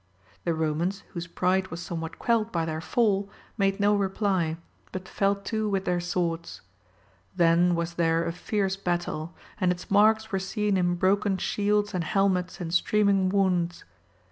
The Romans, whose pride was some what quelled by their fall, made no reply, but fell to 66 A'MADIS OF GAUL. with their swords. Then was there a fierce battle, and its marks were seen in broken shields and helmets and streaming wounds.